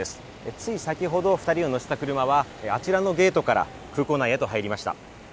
つい先ほど２人を乗せた車はあちらのゲートから空港内に入りました。